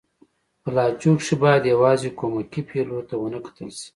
په لهجو کښي بايد يوازي کومکي فعلو ته و نه کتل سي.